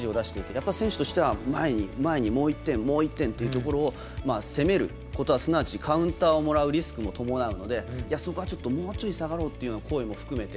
やっぱり選手としては前に前にもう１点というところで攻めることはすなわちカウンターをもらうリスクも伴うのでそこはちょっともうちょい下がろうっていう声も含めて。